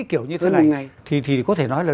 kiểu như thế này thì có thể nói là